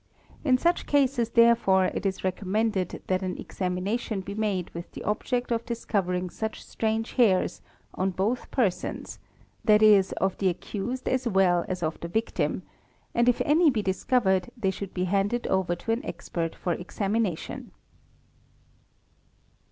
In such cases therefore it is recommended that an examination be made with the object of discovering such strange hairs on both persons (that is of the accused as well as of the victim), and if any be discovered they should be handed over to an expert for examination.